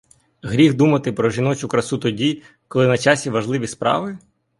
Гріх думати про жіночу красу тоді, коли на часі важливі справи?